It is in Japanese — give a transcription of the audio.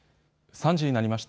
３時になりました。